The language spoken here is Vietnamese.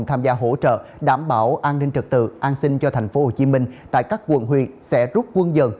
tham gia hỗ trợ đảm bảo an ninh trật tự an sinh cho tp hcm tại các quận huyện sẽ rút quân dần